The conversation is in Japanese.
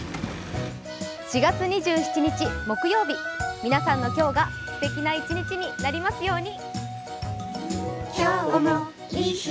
４月２７日木曜日皆さんの今日がすてきな一日になりますように。